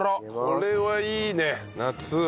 これはいいね夏。